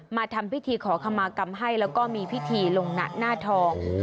มาทำพิธีขอคำมากรรมให้แล้วก็มีพิธีลงหนักหน้าทอง